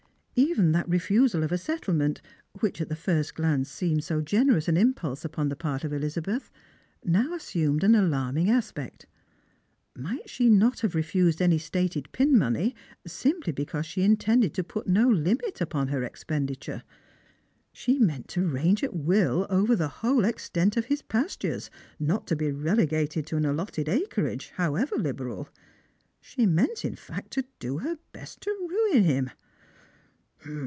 Even that refusal of a settlement, which, at the first glance, seemed so generous an imjiulse upon the part of Elizabeth, now assumed an alarming as])ect. Might she not have refused any stated pin money simply because she intended to put no limit upon her expenditure ? She meant to range at will over the whole extent of his pastures, not to be relegated to an allotted acreage, however liberal. She meant, in fact, to do her best to ruin him.